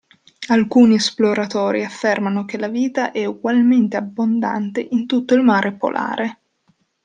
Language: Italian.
Alcuni esploratori affermano che la vita è ugualmente abbondante in tutto il mare polare.